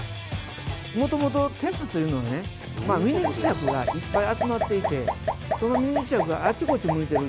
もともと鉄というのはミニ磁石がいっぱい集まっていてそのミニ磁石があちこち向いてる状態なんです。